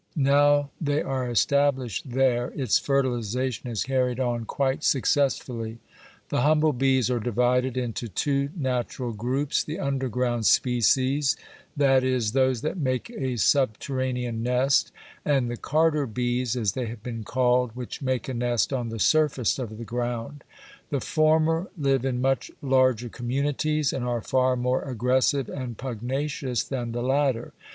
Now they are established there its fertilization is carried on quite successfully. The humble bees are divided into two natural groups, the underground species, i.e. those that make a subterranean nest, and the carder bees, as they have been called, which make a nest on the surface of the ground. The former live in much larger communities and are far more aggressive and pugnacious than the latter.